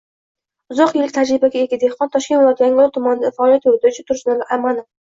Uzoq yillik tajribaga ega dehqon, Toshkent viloyati Yangiyo‘l tumanida faoliyat yurituvchi Tursunali Amanov